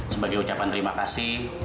sebagai ucapan terima kasih